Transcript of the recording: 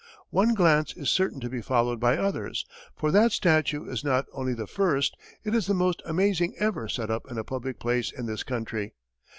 One glance is certain to be followed by others, for that statue is not only the first, it is the most amazing ever set up in a public place in this country.